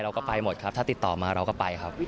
เราก็ไปหมดครับถ้าติดต่อมาเราก็ไปครับ